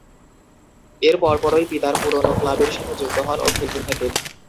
এর পরপরই পিতার পুরনো ক্লাবের সাথে যুক্ত হন ও খেলতে থাকেন।